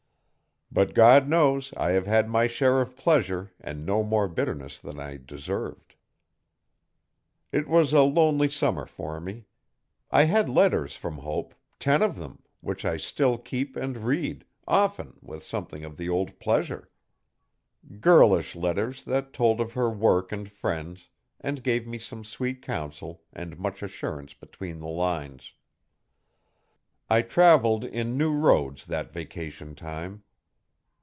But God knows I have had my share of pleasure and no more bitterness than I deserved. It was a lonely summer for me. I had letters from Hope ten of them which I still keep and read, often with something of the old pleasure girlish letters that told of her work and friends, and gave me some sweet counsel and much assurance between the lines. I travelled in new roads that vacation time.